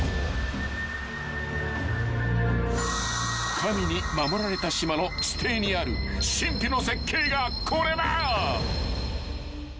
［神に守られた島の地底にある神秘の絶景がこれだ］